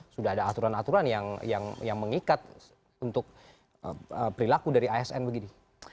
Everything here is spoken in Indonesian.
sudah ada aturan aturan yang mengikat untuk perilaku dari asn begini